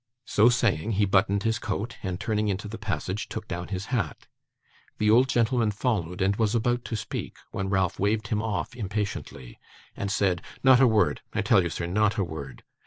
So saying, he buttoned his coat, and turning into the passage, took down his hat. The old gentleman followed, and was about to speak, when Ralph waved him off impatiently, and said: 'Not a word. I tell you, sir, not a word.